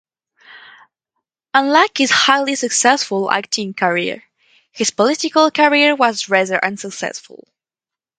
Unlike his highly successful acting career, his political career was rather unsuccessful.